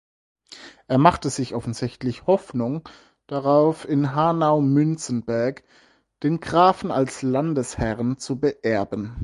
Er machte sich offensichtlich Hoffnung darauf, in Hanau-Münzenberg den Grafen als Landesherren zu beerben.